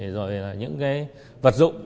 rồi là những cái vật dụng